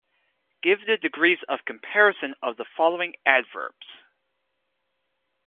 Give the degrees of comparison of the following adverbs.